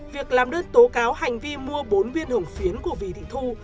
việc làm đơn tố cáo hành vi mua bốn viên hồng phiến của vì thị thu